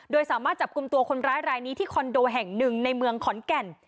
โดยสามารถจับกลุ่มตัวคนร้ายรายนี้ที่คอนโดแห่งหนึ่งในเมืองขอนแก่น